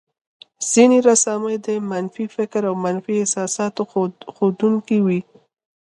ځينې رسامۍ د منفي فکر او منفي احساساتو ښودونکې وې.